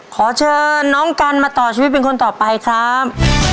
ขอเชิญน้องกันมาต่อชีวิตเป็นคนต่อไปครับ